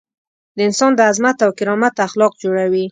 د انسان د عظمت او کرامت اخلاق جوړوي.